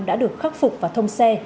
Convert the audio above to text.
đã được khắc phục và thông xe